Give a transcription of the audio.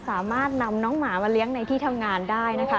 สามารถนำน้องหมามาเลี้ยงในที่ทำงานได้นะคะ